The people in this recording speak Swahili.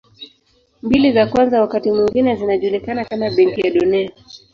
Mbili za kwanza wakati mwingine zinajulikana kama Benki ya Dunia.